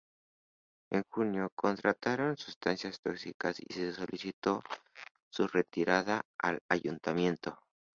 En junio encontraron sustancias tóxicas y se solicitó su retirada al ayuntamiento.